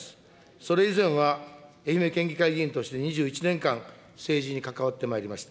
それ以前は愛媛県議会議員として２１年間政治に関わってまいりました。